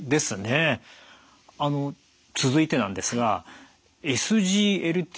あの続いてなんですがＳＧＬＴ